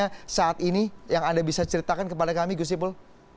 bagaimana saat ini yang anda bisa ceritakan kepada kami gus ipul